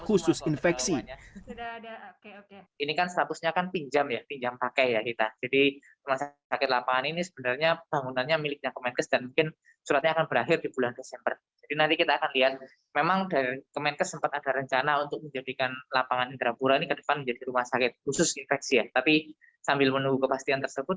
khusus infeksi ya tapi sambil menunggu kepastian tersebut